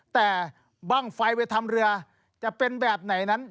แต่บ้างไฟไปทำเรือจะเป็นแบบไหนนั้น